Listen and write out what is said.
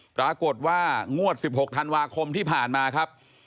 ปรากฏว่างวด๑๖ธันวาคมที่ผ่านมาครับ